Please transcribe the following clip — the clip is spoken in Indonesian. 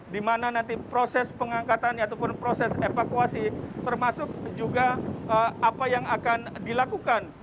di mana nanti proses pengangkatannya ataupun proses evakuasi termasuk juga apa yang akan dilakukan